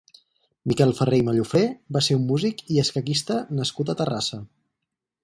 Miquel Farré i Mallofré va ser un músic i escaquista nascut a Terrassa.